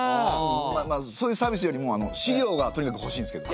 まあまあそういうサービスよりも資料がとにかくほしいんですけど。